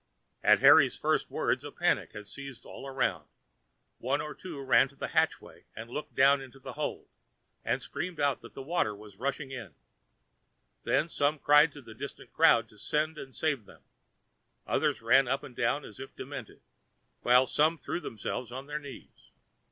At Harry's first words a panic had seized all around; one or two ran to the hatchway and looked down into the hold, and screamed out that the water was rushing in; then some cried to the distant crowd to send to save them; others ran up and down as if demented; while some threw themselves on their knees.